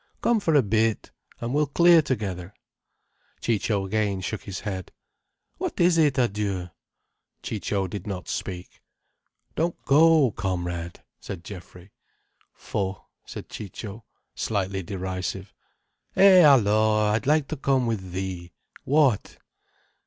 "Come for a bit, and we'll clear together." Ciccio again shook his head. "What, is it adieu?" Ciccio did not speak. "Don't go, comrade," said Geoffrey. "Faut," said Ciccio, slightly derisive. "Eh alors! I'd like to come with thee. What?"